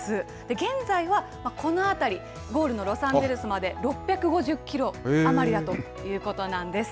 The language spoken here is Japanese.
現在はこの辺り、ゴールのロサンゼルスまで６５０キロ余りだということなんです。